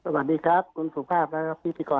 สวัสดีครับคุณสุภาพแล้วก็พิธีกร